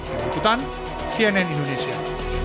dari hutan cnn indonesia